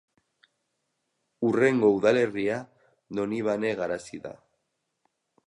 Hurrengo udalerria Donibane Garazi da.